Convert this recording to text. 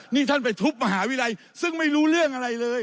นี่ท่านไปทุบมหาวิทยาลัยซึ่งไม่รู้เรื่องอะไรเลย